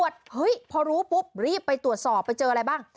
พอรู้ปุ๊บรีบไปตรวจสอบไปเจออะไรบ้าง